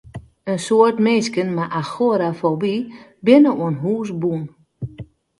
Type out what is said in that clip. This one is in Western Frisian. In soad minsken mei agorafoby binne oan hûs bûn.